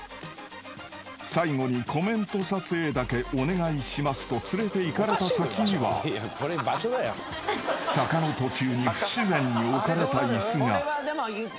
［「最後にコメント撮影だけお願いします」と連れていかれた先には坂の途中に不自然に置かれたイスが］